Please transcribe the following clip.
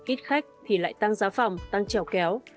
ít khách thì lại tăng giá phòng tăng trèo kéo